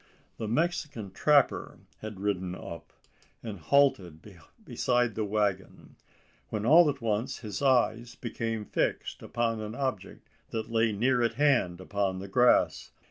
The Mexican trapper had ridden up, and halted beside the waggon; when all at once his eyes became fixed upon an object that lay near at hand upon the grass.